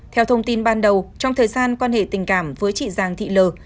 theo thông tin ban đầu trong thời gian quan hệ tình cảm với chị giàng thị lờ